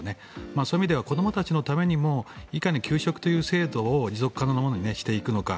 そういう意味では子どもたちのためにもいかに給食という制度を持続可能なものにしていくのか。